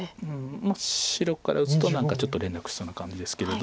まあ白から打つと何かちょっと連絡しそうな感じですけれど。